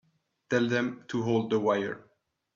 Tell them to hold the wire.